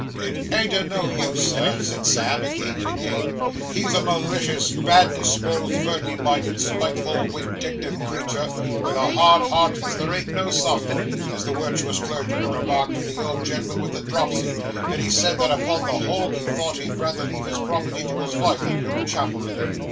'It ain't o' no use, sir,' said Sam, again and again; 'he's a malicious, bad disposed, vorldly minded, spiteful, windictive creetur, with a hard heart as there ain't no soft'nin', as the wirtuous clergyman remarked of the old gen'l'm'n with the dropsy, ven he said, that upon the whole he thought he'd rayther leave his property to his vife than build a chapel vith it.